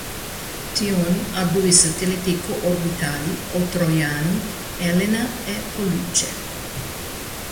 Dione ha due satelliti co-orbitali, o troiani, Elena e Polluce.